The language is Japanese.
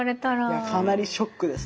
いやかなりショックですね。